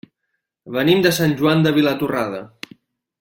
Venim de Sant Joan de Vilatorrada.